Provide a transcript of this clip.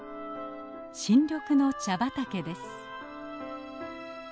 新緑の茶畑です。